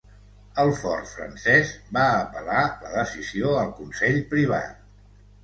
El fort Frances va apel·lar la decisió al Consell Privat.